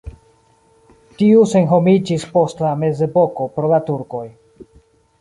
Tiu senhomiĝis post la mezepoko pro la turkoj.